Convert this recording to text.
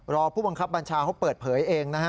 ผู้บังคับบัญชาเขาเปิดเผยเองนะฮะ